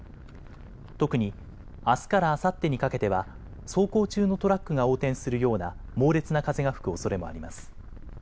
特にあすからあさってにかけては走行中のトラックが横転するような猛烈な風が吹くおそれもあります。